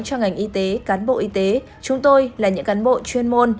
cho ngành y tế cán bộ y tế chúng tôi là những cán bộ chuyên môn